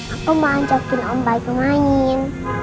aku mau ajakin om baik main